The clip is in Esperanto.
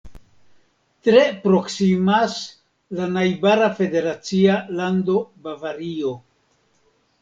Tre proksimas la najbara federacia lando Bavario.